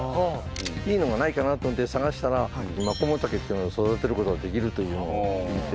いいのがないかなと思って探したらマコモダケっていうのを育てる事ができるというのを見て。